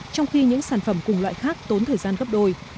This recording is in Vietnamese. trong khi những sản phẩm cùng loại khác tốn thời gian gấp đôi